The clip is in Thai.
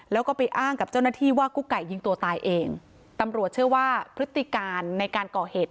แล้วก็ไปอ้างกับเจ้าหน้าที่ว่ากุ๊กไก่ยิงตัวตายเองตำรวจเชื่อว่าพฤติการในการก่อเหตุ